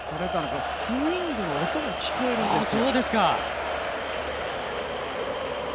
スイングの音も聞こえるんですよ。